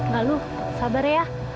galuh sabar ya